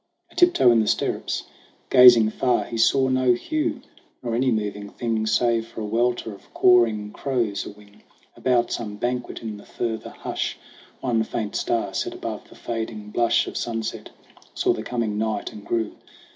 A tiptoe in the stirrups, gazing far, He saw no Hugh nor any moving thing, Save for a welter of cawing crows, a wing About some banquet in the further hush. One faint star, set above the fading blush Of sunset, saw the coming night, and grew.